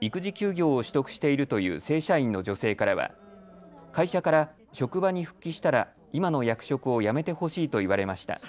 育児休業を取得しているという正社員の女性からは会社から職場に復帰したら今の役職をやめてほしいと言われました。